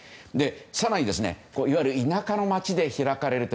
更に、いわゆる田舎の町で開かれると。